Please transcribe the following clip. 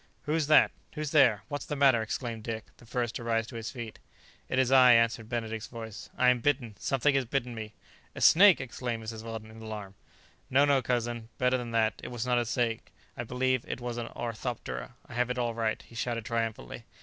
"Who's that? who's there? what's the matter?" exclaimed Dick, the first to rise to his feet. "It is I," answered Benedict's voice; "I am bitten. Something has bitten me." "A snake!" exclaimed Mrs. Weldon in alarm. "No, no, cousin, better than that! it was not a snake; I believe it was an orthoptera; I have it all right," he shouted triumphantly.